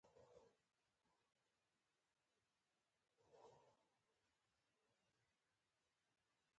د ناروغۍ او جراحي عملیاتو په جریان کې.